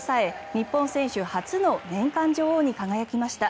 日本選手初の年間女王に輝きました。